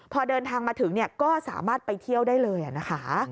พอเดินทางมาถึงก็สามารถไปเที่ยวได้เลยนะคะ